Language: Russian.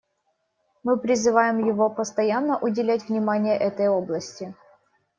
Мы призываем его постоянно уделять внимание этой области.